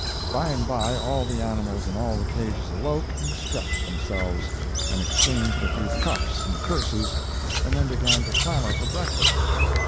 By and by all the animals in all the cages awoke, and stretched themselves, and exchanged a few cuffs and curses, and then began to clamor for breakfast.